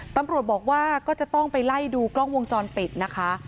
ตำรวจบอกว่าก็จะต้องไปไล่ดูกล้องวงจรปิดนะคะ